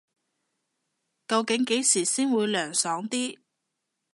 究竟幾時先會涼爽啲